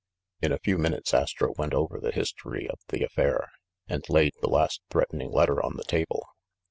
In a few minutes Astro went over the history of the affair, and laid the last threatening letter on the table.